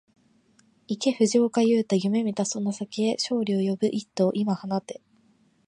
行け藤岡裕大、夢見たその先へ、勝利を呼ぶ一打、今放て